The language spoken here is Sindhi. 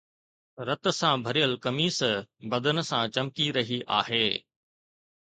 رت سان ڀريل قميص بدن سان چمڪي رهي آهي